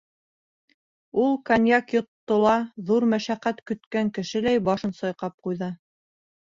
Ул коньяк йотто ла ҙур мәшәҡәт көткән кешеләй башын сайҡап ҡуйҙы.